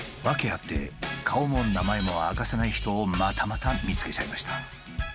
ワケあって顔も名前も明かせない人をまたまた見つけちゃいました。